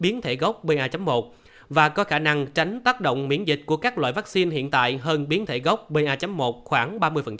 biến thể omicron có khả năng tác động miễn dịch của các loại vaccine hiện tại hơn biến thể gốc ba một khoảng ba mươi